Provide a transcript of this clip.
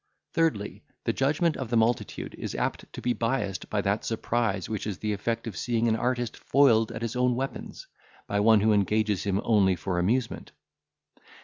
Thirdly, the judgment of the multitude is apt to be biassed by that surprise which is the effect of seeing an artist foiled at his own weapons, by one who engages him only for amusement.